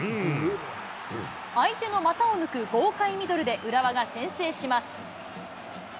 相手の股を抜く豪快ミドルで浦和が先制します。